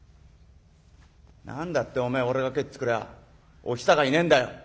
何だってお前俺が帰ってくりゃあお久がいねえんだよ」。